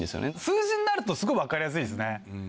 数字になるとすごい分かりやすいですね。